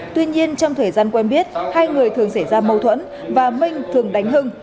tuy nhiên trong thời gian quen biết hai người thường xảy ra mâu thuẫn và minh thường đánh hưng